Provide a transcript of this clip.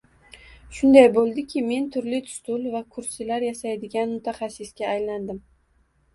Shunday bo`ldiki, men turli stul va kursilar yasaydigan mutaxassisga aylandim